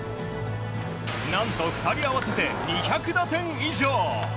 何と２人合わせて２００打点以上。